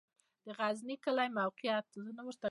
د غزنی کلی موقعیت